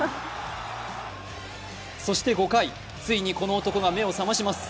そして５回、ついにこの男が目を覚まします。